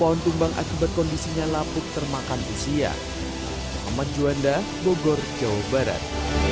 hanya menimpa tiga kendaraan roda empat